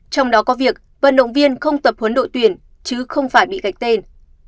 trong đó có việc vận động viên không tập huấn đội tuyển chứ không phải bị gạch tên